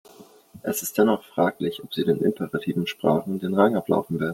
Es ist dennoch fraglich, ob sie den imperativen Sprachen den Rang ablaufen werden.